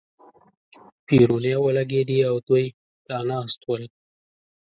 پېرونی ولګېدې او دوی لا ناست ول.